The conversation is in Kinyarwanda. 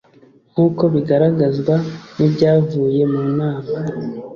Nk’ uko bigaragazwa n’ibyavuye mu nama